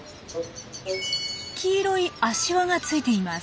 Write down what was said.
黄色い足環がついています。